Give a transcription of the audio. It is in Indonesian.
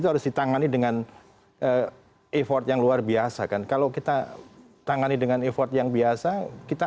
itu harus ditangani dengan effort yang luar biasa kan kalau kita tangani dengan effort yang biasa kita